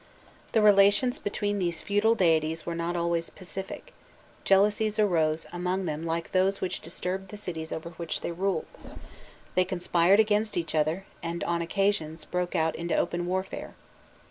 The relations between these feudal deities were not always pacific: jealousies arose among them like those which disturbed the cities over which they ruled; they conspired against each other, and on occasions broke out into open warfare.